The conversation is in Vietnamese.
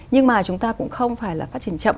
nhưng mà chúng ta cũng không phải là phát triển chậm